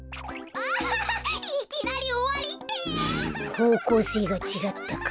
ほうこうせいがちがったか。